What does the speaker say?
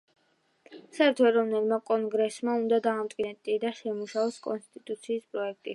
საერთო ეროვნულმა კონგრესმა უნდა დაამტკიცოს მინისტრთა კაბინეტი და შეიმუშაოს კონსტიტუციის პროექტი.